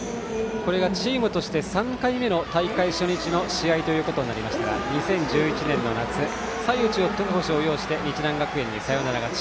これがチームとして３回目の大会初日の試合となりましたが２０１１年の夏歳内投手を擁して日南学園にサヨナラ勝ち。